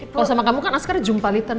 kalau sama kamu kan askara jumpa litan